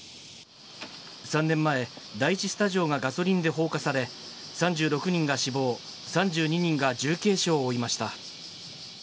３年前、第１スタジオがガソリンで放火され、３６人が死亡、３２人が重軽傷を負いました。